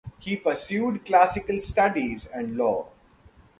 He pursued classical studies and law.